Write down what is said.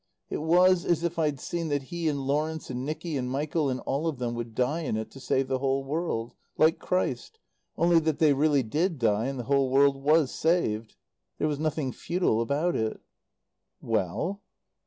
It was as if I'd seen that he and Lawrence and Nicky and Michael and all of them would die in it to save the whole world. Like Christ, only that they really did die and the whole world was saved. There was nothing futile about it." "Well